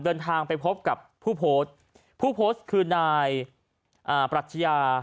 เดินทางไปพบกับผู้โพสต์ผู้โพสต์คือนายอ่าปรัชญา